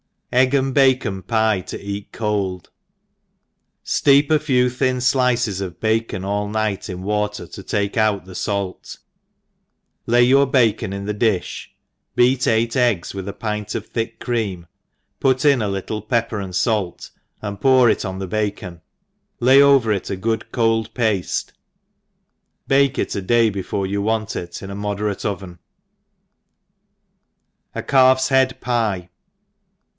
tjff Egg and Bacoux Py« to eat cold: 8TEEP a few thin flicca of bacon all' night in water to take out the fait, lay }cpur bacon m ihc difljf beat eight egga, with a pint of thick creanif put in a little pepper and fait, and pour \X QQ the bacon, lay over it a good cold pafte, bake k a day before you want it in a moderate pvcn. A Calf's Head Pye.